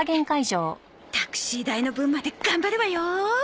タクシー代の分まで頑張るわよ！